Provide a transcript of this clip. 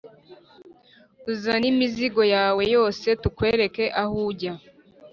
uzane imizigo yawe yose tukwereke aho ujya